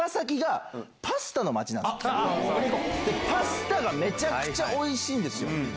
パスタがめちゃくちゃおいしいんですよ。